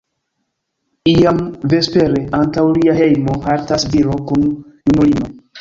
Iam vespere, antaŭ lia hejmo haltas viro kun junulino.